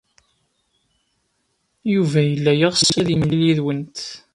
Yuba yella yeɣs ad yemlil yid-went.